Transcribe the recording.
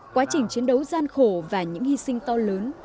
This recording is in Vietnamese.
quá trình chiến đấu gian khổ và những hy sinh to lớn